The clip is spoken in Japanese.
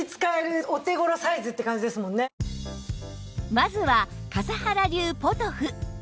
まずは笠原流ポトフ